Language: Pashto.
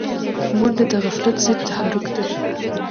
منډه د غفلت ضد تحرک دی